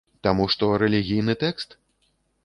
Таму, што рэлігійны тэкст?